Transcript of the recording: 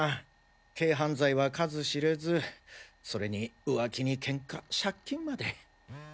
軽犯罪は数知れずそれに浮気に喧嘩借金まで。